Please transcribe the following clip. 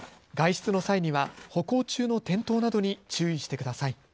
外出の際には歩行中の転倒などに注意してください。